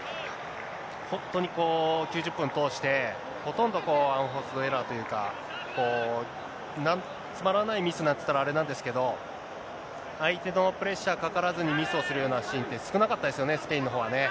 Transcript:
本当に９０分通して、ほとんどアンフォースドエラーというか、つまらないミスなんて言ったらあれなんですけど、相手のプレッシャーかからずにミスをするようなシーンって、少なかったですよね、スペインのほうはね。